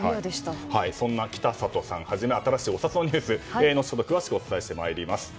そんな北里さんはじめ新しいお札のニュース後ほど詳しくお伝えします。